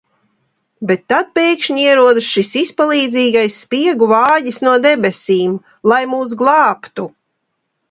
Bet tad pēkšņi ierodas šis izpalīdzīgais spiegu vāģis no debesīm, lai mūs glābtu!